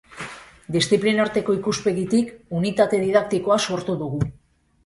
Disziplinarteko ikuspegitik unitate didaktikoa sortu dugu.